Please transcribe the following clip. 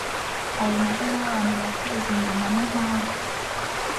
Ayo mazina y'abantu yitirirwa ingoma ni nk'aya :